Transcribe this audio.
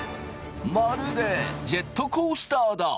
まるでジェットコースターだ！